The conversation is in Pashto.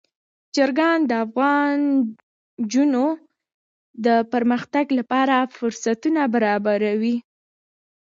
چرګان د افغان نجونو د پرمختګ لپاره فرصتونه برابروي.